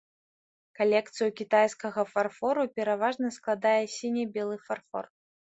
Калекцыю кітайскага фарфору пераважна складае сіне-белы фарфор.